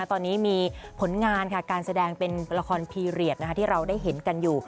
ตอนนี้มีผลงานค่ะการแสดงเป็นละครพีเรียสที่เราได้เห็นกันอยู่